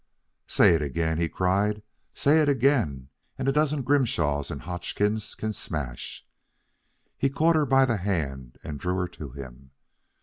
"Say it again," he cried. "Say it again, and a dozen Grimshaws and Hodgkins can smash!" He caught her by the hand and drew her to him.